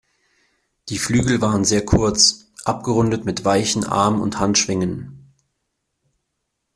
Die Flügel waren sehr kurz, abgerundet mit weichen Arm- und Handschwingen.